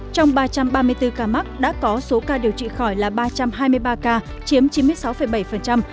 trong ba trăm ba mươi bốn ca mắc đã có số ca điều trị khỏi là ba trăm hai mươi ba ca chiếm chín mươi sáu bảy